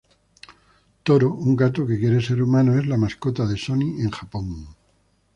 Toro, un gato que quiere ser humano, es la mascota de Sony en Japón.